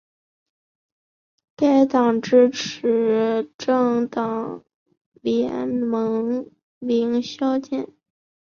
该党支持政党联盟零削减。